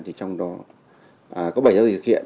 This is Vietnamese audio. thì trong đó có bảy giao dịch thực hiện